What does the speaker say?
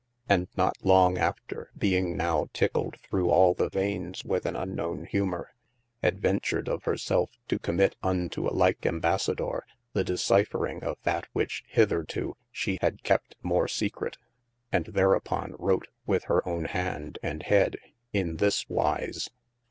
And not long after being now tickled thorough all the vaines with an unknown humour, adventured of hir selfe to commit unto a like Ambassadour the discyphring of that which hitherto shee had kept more secret : and thereupon wrot with hir own hand and head in this wyse.